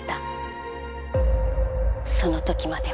その時までは